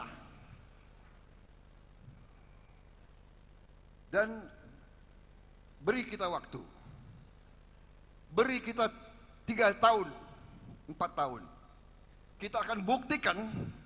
hai dan hai beri kita waktu hai beri kita tiga tahun empat tahun kita akan buktikan